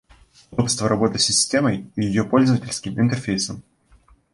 Удобство работы с системой и ее пользовательским интерфейсом